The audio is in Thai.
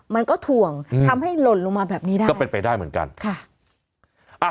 มันก็ถ่วงทำให้หล่นลงมาแบบนี้ได้ก็เป็นไปได้เหมือนกันค่ะ